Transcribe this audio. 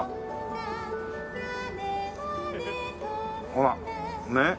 ほらねっ。